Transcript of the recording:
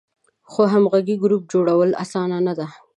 خو همغږی ګروپ جوړول آسانه نه ده.